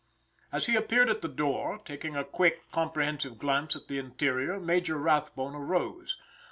As he appeared at the door, taking a quick, comprehensive glance at the interior, Major Rathbone arose.